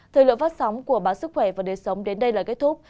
thời lượng phát sóng của bản sức khỏe và đề sống đến đây là kết thúc